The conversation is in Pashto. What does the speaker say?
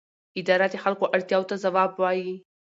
اداره د خلکو اړتیاوو ته ځواب وايي.